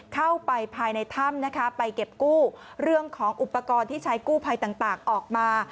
เข้าไปภายในถ้ำนะคะไปเก็บกู้เรื่องของอุปกรณ์ที่ใช้กู้ภัยต่างออกมา